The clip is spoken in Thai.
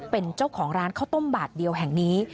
เป็นเจ้าของร้านข้าวต้มบาทเดียวแห่งนี้